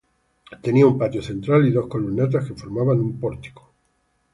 Tenía un patio central y dos columnatas que formaban un pórtico.